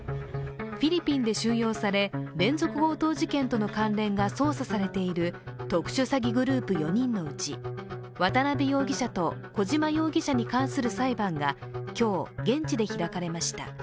フィリピンで収容され、連続強盗事件との関連が捜査されている特殊詐欺グループ４人のうち渡辺容疑者と小島容疑者に関する裁判が今日、現地で開かれました。